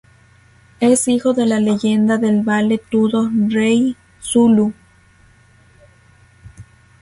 Es hijo de la leyenda del vale tudo Rei Zulu.